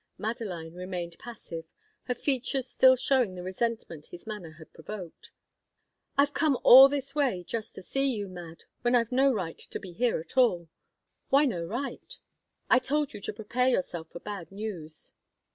Madeline remained passive, her features still showing the resentment his manner had provoked. "I've come all this way just to see you, Mad, when I've no right to be here at all." "Why no right?" "I told you to prepare yourself for bad news."